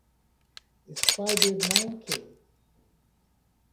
spidermonkey